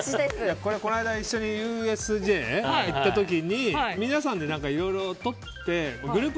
こないだ、一緒にＵＳＪに行った時皆さんでいろいろ撮ってグループ